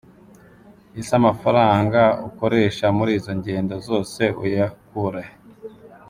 Ese amafaranga ukoresha muri izo ngendo zose uya kurahe?